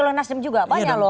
rasim juga banyak loh